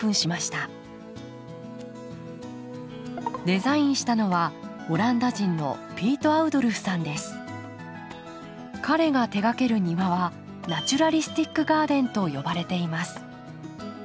デザインしたのはオランダ人の彼が手がける庭はナチュラリスティック・ガーデンと呼ばれています。